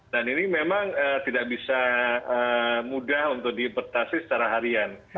dan ini memang tidak bisa mudah untuk dipertahsi secara harian